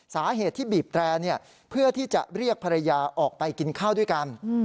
สาเหตุที่บีบแตรเพื่อที่จะเรียกภรรยาออกไปกินข้าวด้วยกัน